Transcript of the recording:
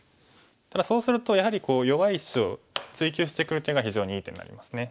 ただそうするとやはり弱い石を追及してくる手が非常にいい手になりますね。